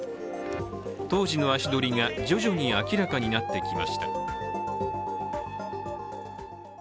当時の足取りが徐々に明らかになってきました。